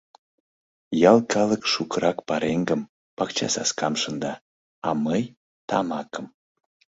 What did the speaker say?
Ял калык шукырак пареҥгым, пакчасаскам шында, а мый — тамакым...